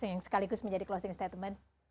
yang sekaligus menjadi closing statement